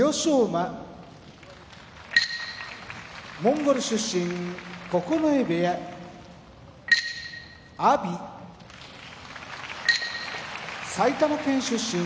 馬モンゴル出身九重部屋阿炎埼玉県出身